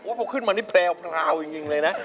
อุ๊ยพอขึ้นมาไม่แพรวพราวจริงเลยนะ